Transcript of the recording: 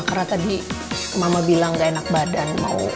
karena tadi mama bilang gak enak badan